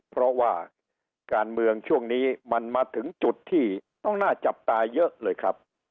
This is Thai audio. เพราะว่าการเมืองช่วงนี้มันมาถึงจุดที่ต้องน่าจับตาเยอะเลยครับ